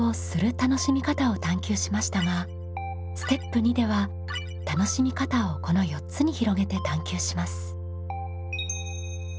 楽しみ方を探究しましたがステップ２では楽しみ方をこの４つに広げて探究します。